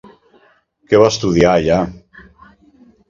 Què va estudiar allà?